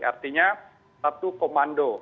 artinya satu komando